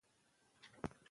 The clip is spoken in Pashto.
ځینې نجونې خپل نوم بدلوي.